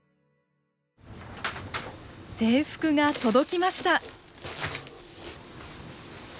制服が届きました。